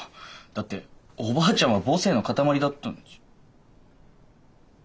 だっておばあちゃんは母性の塊だったんじゃ。